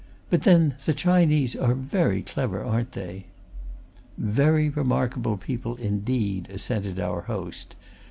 "But then, the Chinese are very clever, aren't they?" "Very remarkable people, indeed," assented our host.